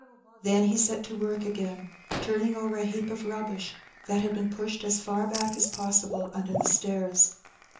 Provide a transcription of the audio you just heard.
'' Then he set to work again turning over a heap of rubbish that had been pushed as far back as possible under the stairs.